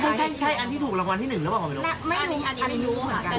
คือใช่ใช่อันที่ถูกรางวัลที่หนึ่งหรือเปล่าไม่รู้อันนี้อันนี้ไม่รู้เหมือนกัน